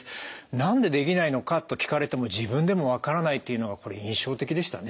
「なんでできないのか」と聞かれても自分でも分からないというのはこれ印象的でしたね。